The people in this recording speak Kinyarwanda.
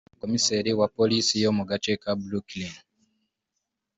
Komiseri wa polisi yo mu gace ka Broooklyn